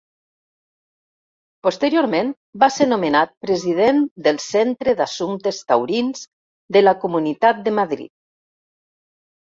Posteriorment va ser nomenat President del Centre d'Assumptes Taurins de la Comunitat de Madrid.